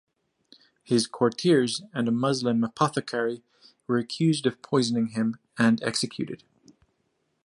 His courtiers and a Muslim apothecary were accused of poisoning him and executed.